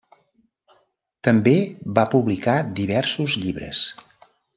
També va publicar diversos llibres.